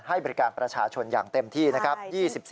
ให้บริการประชาชนอย่างเต็มที่นะครับ